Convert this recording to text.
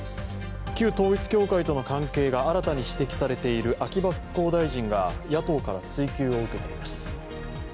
旧統一教会との関係が新たに指摘されている秋葉復興大臣が野党から追及を受けています。